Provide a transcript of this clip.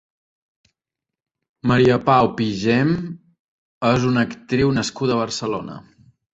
Maria Pau Pigem és una actriu nascuda a Barcelona.